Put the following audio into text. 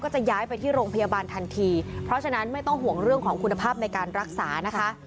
จะย้ายไปที่โรงพยาบาลทันทีเพราะฉะนั้นไม่ต้องห่วงเรื่องของคุณภาพในการรักษานะคะ